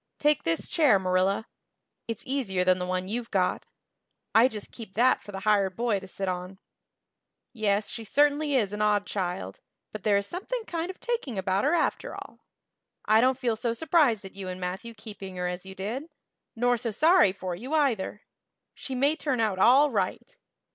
Take this chair, Marilla; it's easier than the one you've got; I just keep that for the hired boy to sit on. Yes, she certainly is an odd child, but there is something kind of taking about her after all. I don't feel so surprised at you and Matthew keeping her as I did nor so sorry for you, either. She may turn out all right.